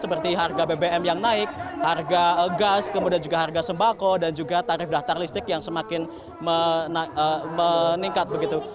seperti harga bbm yang naik harga gas kemudian juga harga sembako dan juga tarif daftar listrik yang semakin meningkat begitu